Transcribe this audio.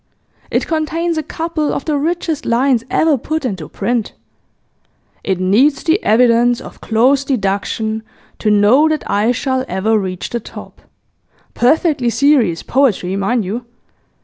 It contains a couple of the richest lines ever put into print: It needs the evidence of close deduction To know that I shall ever reach the top. Perfectly serious poetry, mind you!